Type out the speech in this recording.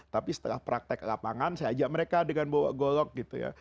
tapi setelah praktek lapangan saya ajak mereka dengan bawa golok gitu ya